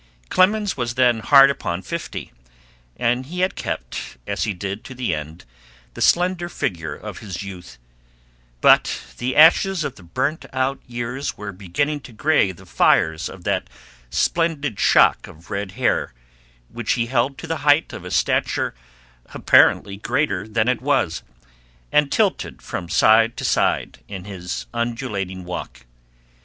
Clemens was then hard upon fifty, and he had kept, as he did to the end, the slender figure of his youth, but the ashes of the burnt out years were beginning to gray the fires of that splendid shock of red hair which he held to the height of a stature apparently greater than it was, and tilted from side to side in his undulating walk.